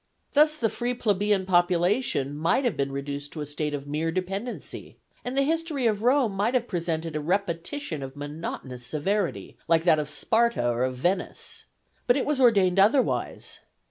Thus the free plebeian population might have been reduced to a state of mere dependency, and the history of Rome might have presented a repetition of monotonous severity, like that of Sparta or of Venice. But it was ordained otherwise.